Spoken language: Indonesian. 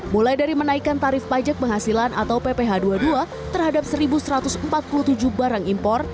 mulai dari menaikkan tarif pajak penghasilan atau pph dua puluh dua terhadap satu satu ratus empat puluh tujuh barang impor